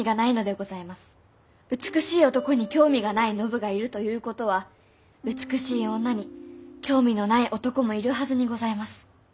美しい男に興味がない信がいるということは美しい女に興味のない男もいるはずにございます。